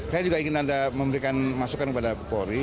saya juga ingin anda memberikan masukan kepada polri